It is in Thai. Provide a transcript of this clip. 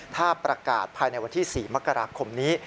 ถ้าประกาศภายในวันที่๔มกราคมนี้